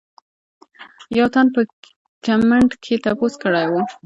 يو تن پۀ کمنټ کښې تپوس کړے وۀ